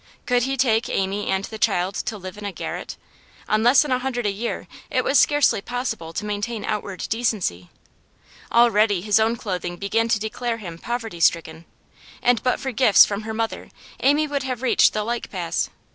Could he take Amy and the child to live in a garret? On less than a hundred a year it was scarcely possible to maintain outward decency. Already his own clothing began to declare him poverty stricken, and but for gifts from her mother Amy would have reached the like pass.